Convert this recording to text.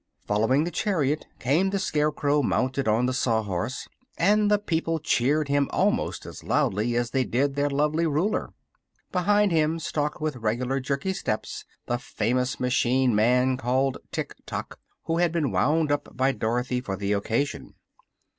Following the chariot came the Scarecrow mounted on the Sawhorse, and the people cheered him almost as loudly as they did their lovely Ruler. Behind him stalked with regular, jerky steps, the famous machine man called Tik tok, who had been wound up by Dorothy for the occasion.